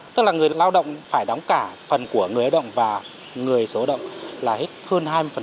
tức là người lao động phải đóng cả phần của người lao động và người số lao động là hơn hai mươi